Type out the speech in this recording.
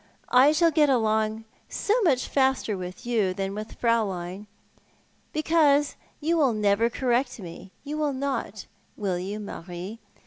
1 shall get on so mncli faster with you thnn Fniulein, because you will never correct me. You will not, will }ou, Marie?